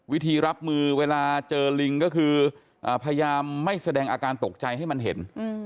วิธีรับมือเวลาเจอลิงก็คือพยายามไม่แสดงอาการตกใจให้มันเห็น